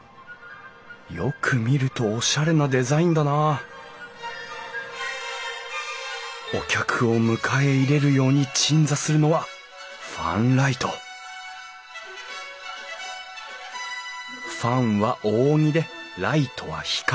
よく見るとおしゃれなデザインだなお客を迎え入れるように鎮座するのはファンライトファンは扇でライトは光。